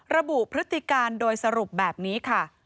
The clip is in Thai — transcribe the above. พฤติการโดยสรุปแบบนี้ค่ะ